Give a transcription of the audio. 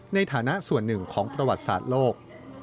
ในฐานะส่วนหนึ่งของประวัติศาสตร์โลก